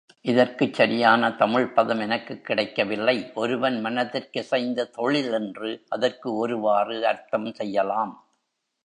இதற்குச் சரியான தமிழ்ப் பதம் எனக்குக் கிடைக்கவில்லை ஒருவன் மனத்திற்கிசைந்த தொழில் என்று அதற்கு ஒருவாறு அர்த்தம் செய்யலாம்.